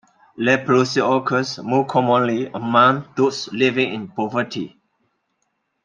Leprosy occurs more commonly among those living in poverty.